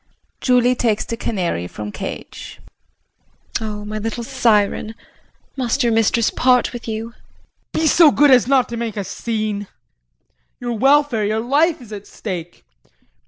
JULIE [Takes the canary from cage]. Oh, my little siren. Must your mistress part with you? JEAN. Be so good as not to make a scene. Your welfare, your life, is at stake.